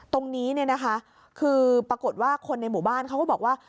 ตรงนี้เนี่ยนะคะคือปรากฏว่าคนในหมู่บ้านเขาก็บอกว่า